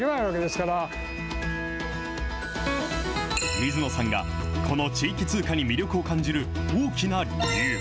水野さんがこの地域通貨に魅力を感じる大きな理由。